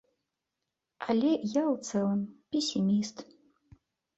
Але я ў цэлым песіміст.